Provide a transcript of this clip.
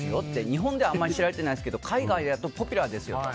日本ではあまり知られてないですけど海外だとポピュラーですよと。